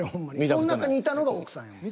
その中にいたのが奥さんやもん。